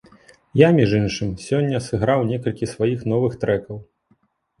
Я, між іншым, сёння сыграў некалькі сваіх новых трэкаў!